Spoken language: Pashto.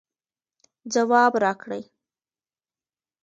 ځواب راکړئ